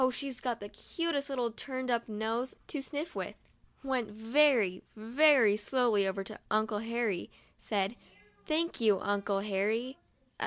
she's got the cutest little turned up nose to sniff with), went very, very slowly over to Uncle Harry, said: "Thank you, Uncle Harry.